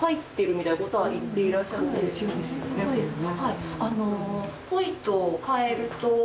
これね。